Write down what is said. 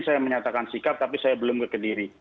saya menyatakan sikap tapi saya belum kekediri